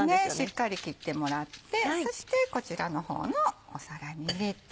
しっかり切ってもらってそしてこちらの方の皿に入れて。